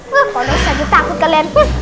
wah kodok sakit takut kalian